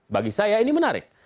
bagi saya ini menarik